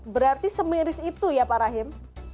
berarti semiris itu ya pak rahim